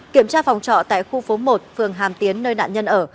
kiểm tra phòng trọ tại khu phố một phường hàm tiến nơi nạn nhân ở